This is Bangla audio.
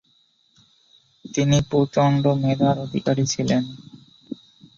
তিনি প্রচন্ড মেধার অধিকারী ছিলেন।